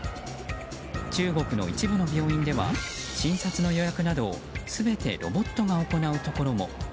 中国の一部の病院では診察の予約などを全てロボットが行うところも。